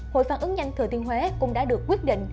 hội phản ứng nhanh thừa thiên huế cũng đã được quyết định